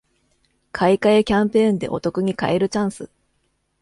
買い換えキャンペーンでお得に買えるチャンス